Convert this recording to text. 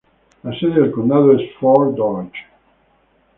La sede del condado es Fort Dodge.